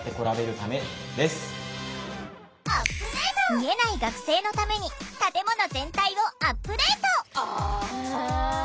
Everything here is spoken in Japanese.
見えない学生のために建物全体をアップデート。